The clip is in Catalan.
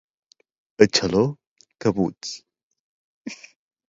A Xaló, cabuts.